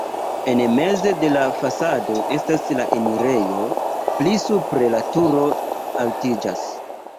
En meze de la fasado estas la enirejo, pli supre la turo altiĝas.